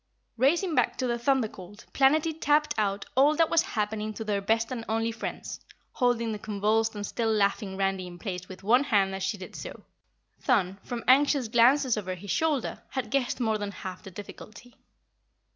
Racing back to the Thunder Colt, Planetty tapped out all that was happening to their best and only friends, holding the convulsed and still laughing Randy in place with one hand as she did so. Thun, from anxious glances over his shoulder, had guessed more than half the difficulty.